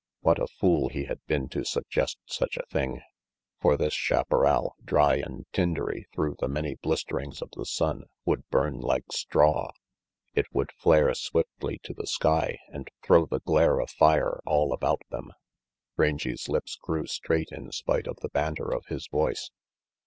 What a fool he had been to suggest such a thing! For this chaparral, dry and tindery through the many blisterings of the sun, would burn like straw. It would flare swiftly to the sky and throw the glare of fire all about them. Rangy's lips grew straight in spite of the banter of his voice.